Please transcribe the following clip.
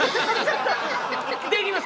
できます！